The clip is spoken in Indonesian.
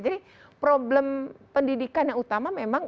jadi problem pendidikan yang utama memang